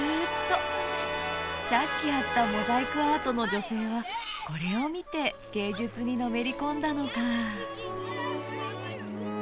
さっき会ったモザイクアートの女性はこれを見て芸術にのめり込んだのかぁ！